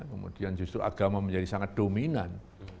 kemudian justru agama menjadi sangat dominan